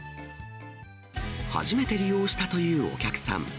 初めて利用したというお客さん。